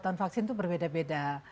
delapan vaksin itu berbeda beda